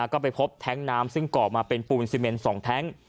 ก็ไปพบแท็งค์น้ำซึ่งเกาะมาเป็นปูนซีเมนสองแท็งค์